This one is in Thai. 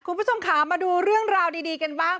คุณผู้ชมค่ะมาดูเรื่องราวดีกันบ้าง